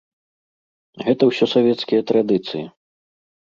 Гэта ўсё савецкія традыцыі.